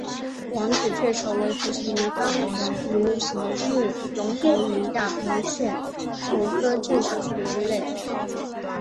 王子雀鲷为辐鳍鱼纲鲈形目隆头鱼亚目雀鲷科雀鲷属的鱼类。